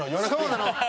そうなの！